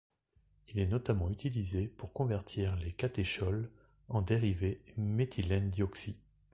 Il est notamment utilisé pour convertir les catéchols en dérivés méthylènedioxy-.